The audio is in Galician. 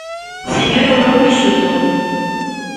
Señor Ourol Mexuto.